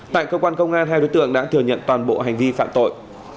tại cơ quan công an hai đối tượng đã thừa nhận toàn bộ hành vi phạm tội